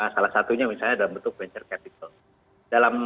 salah satunya misalnya dalam bentuk venture capital